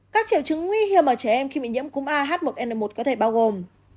các triệu chứng nguy hiểm ở trẻ em khi bị nhiễm cúm ah một n một có thể bao gồm